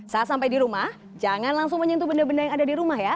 saat sampai di rumah jangan langsung menyentuh benda benda yang ada di rumah ya